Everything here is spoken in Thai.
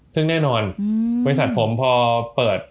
ซึ่งแน่นอนบริษัทผมพอเปิด